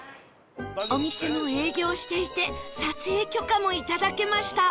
お店も営業していて撮影許可もいただけました